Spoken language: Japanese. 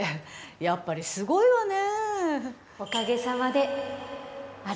やっぱり、すごいわね。